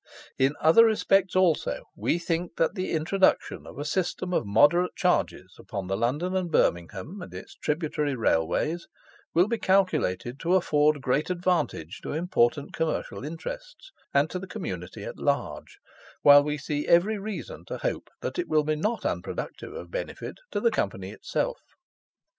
In other respects also we think that the introduction of a system of moderate charges upon the London and Birmingham and its tributary Railways, will be calculated to afford great advantage to important commercial interests, and to the community at large, while we see every reason to hope that it will not be unproductive of benefit to the Company itself.